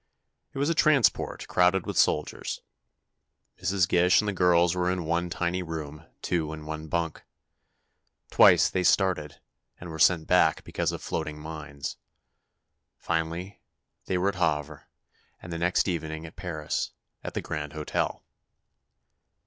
It was a transport, crowded with soldiers. Mrs. Gish and the girls were in one tiny room, two in one bunk. Twice they started, and were sent back because of floating mines. Finally they were at Havre, and next evening at Paris, at the Grand Hotel.